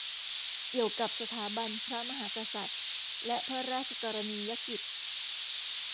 เกี่ยวกับสถาบันพระมหากษัตริย์และพระราชกรณียกิจ